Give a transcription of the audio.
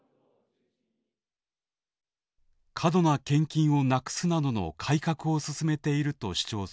過度な献金をなくすなどの改革を進めていると主張する教団。